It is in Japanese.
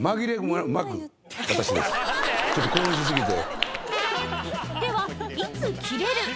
ちょっと興奮しすぎて。